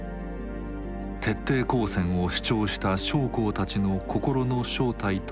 徹底抗戦を主張した将校たちの心の正体とは何だったのか。